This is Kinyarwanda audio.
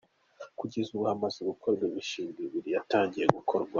Kugeza ubu hamaze gukorwa imishinga ibiri yatangiye gukorwaho.